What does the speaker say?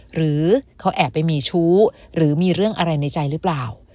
หรือเขาแอบไปมีชู้หรือมีเรื่องอะไรในใจหรือเปล่า